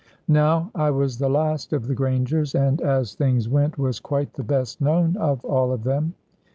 Now I was the last of the Grangers and, as things went, was quite the best known of all of them.